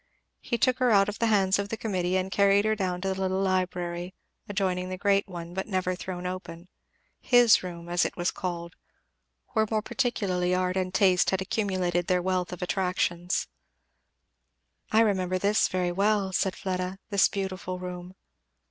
He took her out of the hands of the committee and carried her down to the little library, adjoining the great one, but never thrown open, his room, as it was called, where more particularly art and taste had accumulated their wealth of attractions. "I remember this very well," said Fleda. "This beautiful room!"